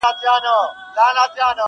نه چي وعده وي خامه خوله پخه وي,